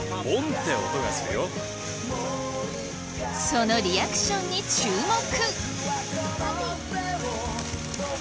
そのリアクションに注目！